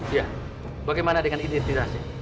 iya bagaimana dengan identitasnya